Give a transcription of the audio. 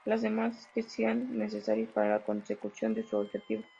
Las demás que sean necesarias para la consecución de su objeto.